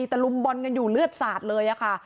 ตะลุมบอลกันอยู่เลือดสาดเลยค่ะ